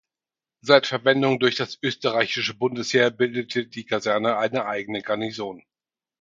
Seit Verwendung durch das Österreichische Bundesheer bildete die Kaserne eine eigene Garnison.